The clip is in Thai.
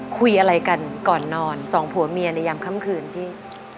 คุยอะไรกันก่อนนอนสองผัวเมียในยามค่ำคืนพี่